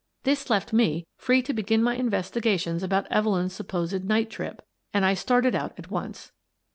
This left me free to begin my investigations about Evelyn's supposed night trip, and I started out at once.